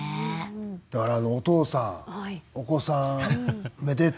だからあのお父さんお子さんめでて。